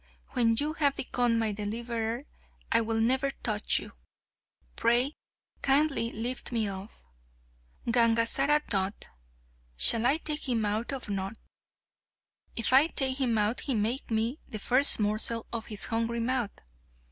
When you have become my deliverer I will never touch you. Pray, kindly lift me up." Gangazara thought: "Shall I take him out or not? If I take him out he may make me the first morsel of his hungry mouth.